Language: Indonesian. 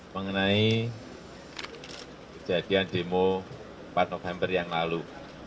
mengenai kejadian demo empat november yang lalu